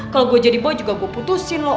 kalo gue jadi boy juga gue putusin lo